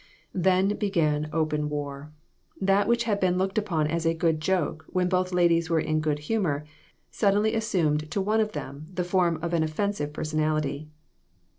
Then began open war. That which had been looked upon as a good joke, when both ladies were in good humor, suddenly assumed to one of them the form of an offensive personality.